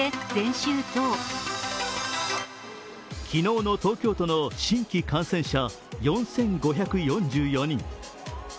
昨日の東京都の新規感染者４５４４人。